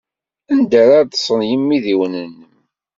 Anda ara ḍḍsen yimidiwen-nnem?